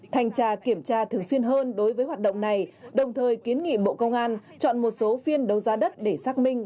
thành tra kiểm tra thường xuyên hơn đối với hoạt động này đồng thời kiến nghị bộ công an chọn một số phiên đấu giá đất để xác minh